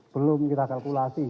belum kita kalkulasi